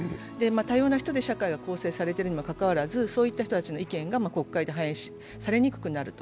多様な人で社会は構成されているにもかかわらずそういった人たちの意見が国会で反映されにくくなる。